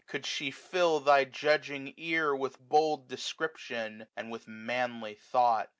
could she fill thy judging ear With bold description, and with manly thought.